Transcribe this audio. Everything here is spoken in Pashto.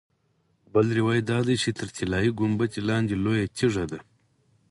بل روایت دا دی چې تر طلایي ګنبدې لاندې لویه تیږه ده.